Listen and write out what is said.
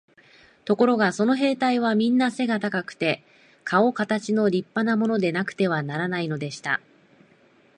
ところがその兵隊はみんな背が高くて、かおかたちの立派なものでなくてはならないのでした。